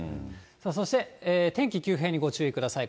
そして天気、急変にご注意ください。